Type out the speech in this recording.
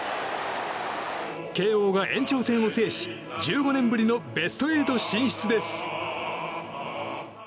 慶應が延長戦を制し１５年ぶりのベスト８進出です。